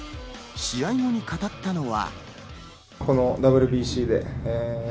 試合後に語ったのは。